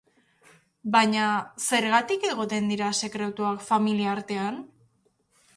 Baina zergatik egoten dira sekretuak familia artean?